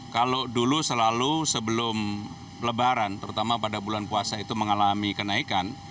kalau dulu selalu sebelum lebaran terutama pada bulan puasa itu mengalami kenaikan